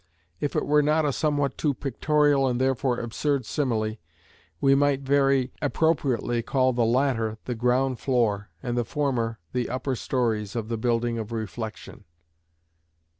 If it were not a somewhat too pictorial and therefore absurd simile, we might very appropriately call the latter the ground floor, and the former the upper stories of the building of reflection.